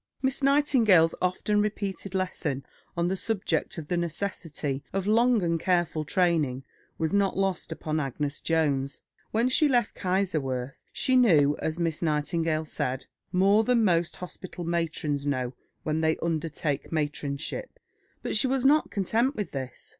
Miss Nightingale's often repeated lesson on the subject of the necessity of long and careful training was not lost upon Agnes Jones. When she left Kaiserswerth, she knew, as Miss Nightingale said, "more than most hospital matrons know when they undertake matronship." But she was not content with this.